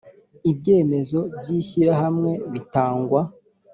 ibyemezo by ishyirahamwe bitangwa